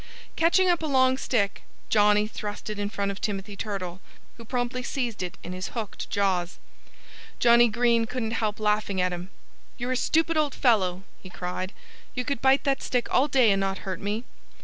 Catching up a long stick, Johnnie thrust it in front of Timothy Turtle, who promptly seized it in his hooked jaws. Johnnie Green couldn't help laughing at him. "You're a stupid old fellow!" he cried. "You could bite that stick all day and not hurt me."